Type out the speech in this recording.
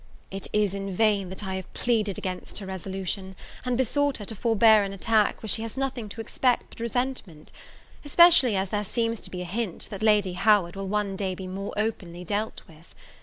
It is in vain that I have pleaded against her resolution, and besought her to forbear an attack where she has nothing to expect but resentment: especially as there seems to be a hint, that Lady Howard will one day be more openly dealt with.